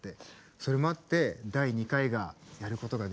それもあって第２回がやることができました。